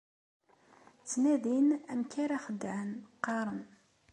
Ttnadin amek ara xedɛen, qqaren.